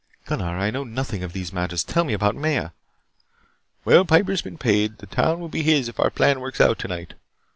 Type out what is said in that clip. "Gunnar, I know nothing of these matters. Tell me about Maya " "Well, Piper has been paid. The town will be his if our plan works out tonight.